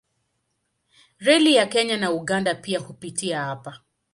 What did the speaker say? Reli ya Kenya na Uganda pia hupitia hapa.